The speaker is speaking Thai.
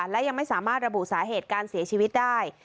และยังไม่สามารถระบุสาเหตุการเสียชีวิตได้